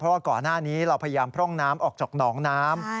เพราะว่าก่อนหน้านี้เราพยายามพร่องน้ำออกจากหนองน้ำ